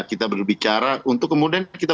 kita berbicara untuk kemudian kita